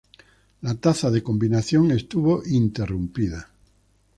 La Taza de Combinación estuvo interrumpida.